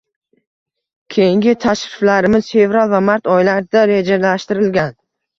Keyingi tashriflarimiz fevral va mart oylarida rejalashtirilgan